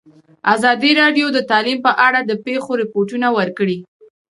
ازادي راډیو د تعلیم په اړه د پېښو رپوټونه ورکړي.